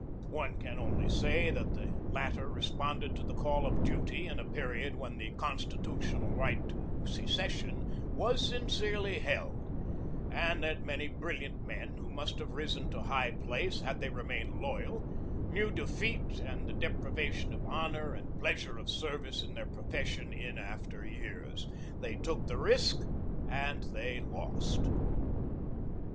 One can only say that the latter responded to the call of duty in a period when the constitutional right to secession was sincerely held; and that many brilliant men, who must have risen to high place had they remained loyal, knew defeat and the deprivation of honor and pleasure of service in their profession in after years. They took the risk and they lost.